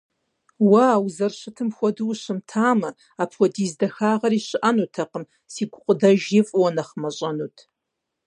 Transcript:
Уэ а узэрыщытым хуэдэу ущымытамэ, апхуэдиз дахагъэри щыӀэнутэкъым, си гукъыдэжри фӀыуэ нэхъ мащӀэнут.